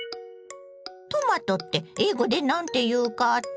トマトって英語で何ていうかって？